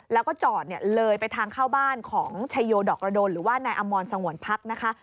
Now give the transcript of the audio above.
แล้วก็จอดเลยไปทางเข้าบ้านของชัยโยดอกระโดนหรือว่านายอมรสงวนพักนะคะ